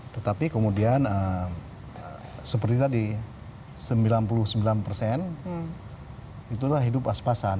tetapi kemudian seperti tadi sembilan puluh sembilan persen itulah hidup pas pasan